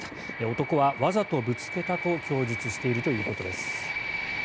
男は、わざとぶつけたと供述しているということです。